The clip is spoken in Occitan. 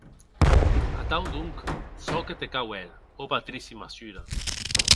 Atau, donc, çò que te cau hèr, ò patrici Massura!